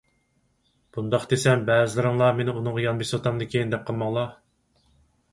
بۇنداق دېسەم بەزىلىرىڭلار مېنى ئۇنىڭغا يان بېسىۋاتامدىكىن دەپ قالماڭلار.